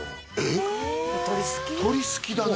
鶏すきだね